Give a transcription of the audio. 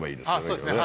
そうですね